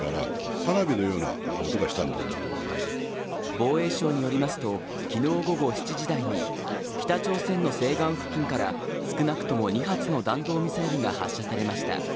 防衛省によりますと、きのう午後７時台に北朝鮮の西岸付近から少なくとも２発の弾道ミサイルが発射されました。